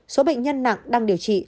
số bệnh nhân nặng đang điều trị